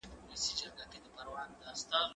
زه اجازه لرم چي بازار ته ولاړ سم!.